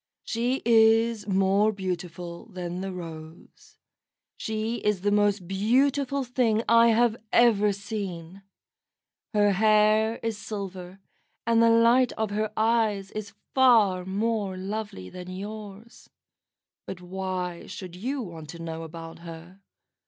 "She is more beautiful than the rose. She is the most beautiful thing I have ever seen. Her hair is silver, and the light of her eyes is far more lovely than yours. But why should you want to know about her?